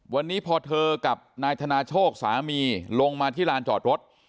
วันนี้พอเธอกับนายธนาโชคสามีลงมาที่ลานจอดรถ